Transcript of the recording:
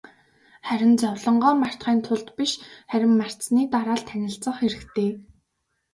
Харин зовлонгоо мартахын тулд биш, харин мартсаны дараа л танилцах хэрэгтэй.